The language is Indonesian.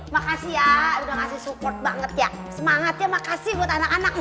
makasih ya udah ngasih support banget ya semangatnya makasih buat anak anak